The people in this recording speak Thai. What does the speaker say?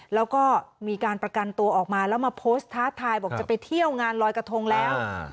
แล้วก็มีการประกันตัวออกมาแล้วมาโพสต์ท้าทายบอกจะไปเที่ยวงานลอยกระทงแล้ว